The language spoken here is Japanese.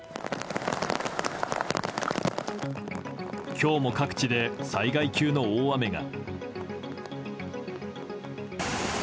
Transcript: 今日も各地で災害級の大雨が。